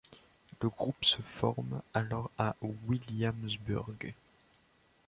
Le groupe se forme alors à Williamsburg.